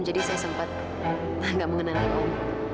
jadi saya sempat gak mengenali om